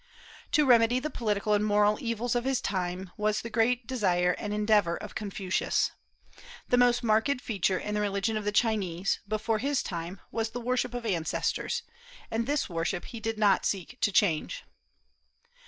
To remedy the political and moral evils of his time was the great desire and endeavor of Confucius. The most marked feature in the religion of the Chinese, before his time, was the worship of ancestors, and this worship he did not seek to change.